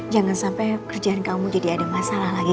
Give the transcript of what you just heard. jangan sampai kerjaan kamu jadi ada masalah lagi